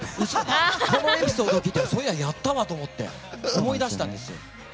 このエピソード聞いたらそういや、やったなと思って思い出したんですよ。